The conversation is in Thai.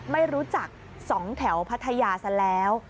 ไม่รู้จัก๒แถวพัทยาซะแล้ว